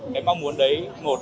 cái mong muốn đấy